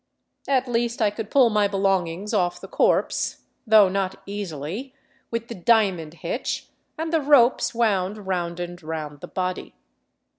At least I could pull my belongings off the corpse ; though not easily, with the " diamond hitch " and the ropes wound round and round the body.